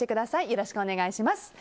よろしくお願いします。